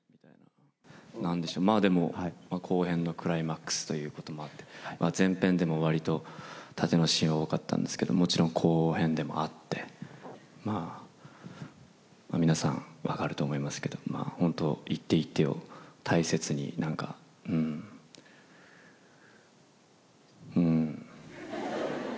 なんでしょう、まあでも、後編のクライマックスということもあって、前編でもわりとたてのシーン多かったんですけど、もちろん後編でもあって、まあ、皆さん、分かると思いますけど、まあ本当、一手一手を大切に、なんか、うーん。